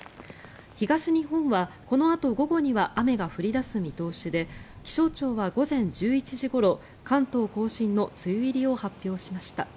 東日本はこのあと午後には雨が降り出す見通しで気象庁は午前１１時ごろ関東・甲信の梅雨入りを発表しました。